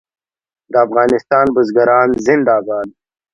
د افغانستان بزګران زنده باد.